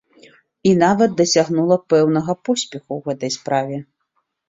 І нават дасягнула пэўнага поспеху ў гэтай справе.